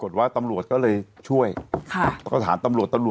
ที่นี่เค้าไม่อยู่ที่นี่เค๊าขี่มอเตอร์ไซด์มานี่